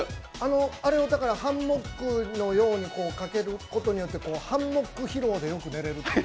あれをハンモックのようにかけることによってハンモック疲労でよく寝れる。